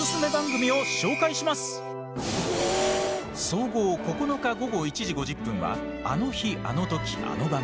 総合９日午後１時５０分は「あの日あのときあの番組」。